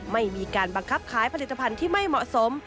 ไม่มีการบังคับขายผลิตภัณฑ์ที่ไม่เหมาะสม